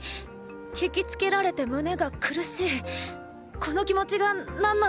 惹き付けられて胸が苦しいこの気持ちが何なのか。